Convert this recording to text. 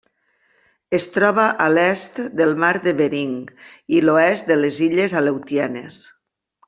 Es troba a l'est del mar de Bering i l'oest de les illes Aleutianes.